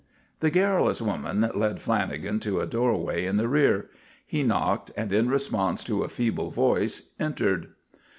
The garrulous woman led Lanagan to a doorway in the rear. He knocked and, in response to a feeble voice, entered.